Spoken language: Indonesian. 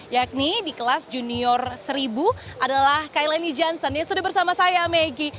yakni di kelas junior seribu adalah kailani johnson yang sudah bersama saya maggie